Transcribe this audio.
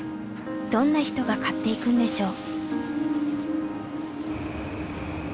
どんな人が買っていくんでしょう？